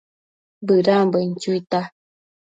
Bëdambuen chuita